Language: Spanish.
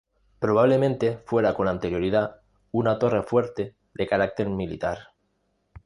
Probablemente fuera con anterioridad una torre fuerte de carácter militar.